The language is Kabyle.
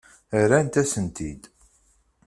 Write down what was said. Rrant-asen-t-id.